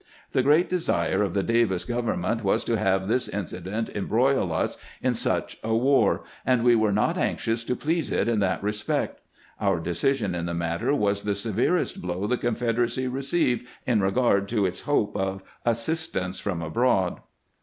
The great desire of the Davis gov ernment was to have this incident embroil us in such a war, and we were not anxious to please it in that respect. Our decision in the matter was the severest blow the Confederacy received in regard to its hope of ' assistance from abroad.'